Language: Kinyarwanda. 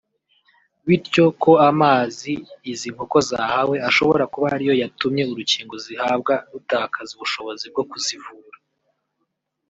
bityo ko amazi izi nkoko zahawe ashobora kuba ariyo yatumye urukingo zihabwa rutakaza ubushobozi bwo kuzivura